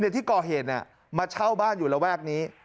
ที่ก่อเหตุมาเช่าบ้านอยู่ระแวกนี้